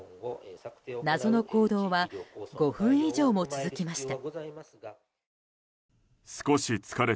謎の行動は５分以上も続きました。